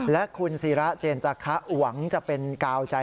และคุณศิราเจนจาคะหวังจะเป็นกาวใจ